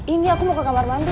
ini aku mau ke kamar mandi